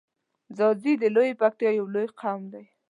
ځاځی د لویی پکتیا یو لوی قوم دی.